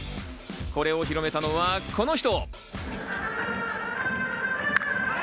これを広めたのはこの人。